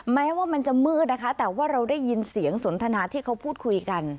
แม้ว่ามันจะมืดนะคะแต่ว่าเราได้ยินเสียงสนทนาที่เขาพูดคุยกัน